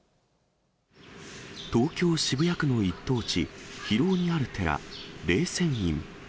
東京・渋谷区の一等地、広尾にある寺、霊泉院。